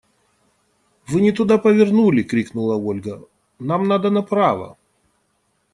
– Вы не туда повернули, – крикнула Ольга, – нам надо направо!